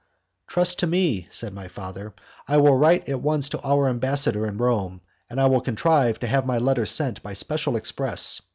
"Trust to me," said my father, "I will write at once to our ambassador in Rome, and I will contrive to have my letter sent by special express.